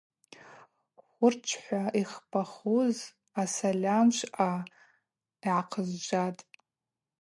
Хвырчвхӏва йхпахуз асальамшвъа гӏахъызжватӏ.